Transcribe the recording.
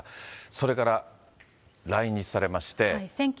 それから来日されまして。